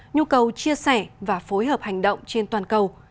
nhu cầu chia sẻ và phối hợp hành động trên toàn cầu